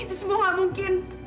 itu semua gak mungkin